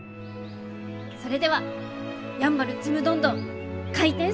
それではやんばるちむどんどん開店します！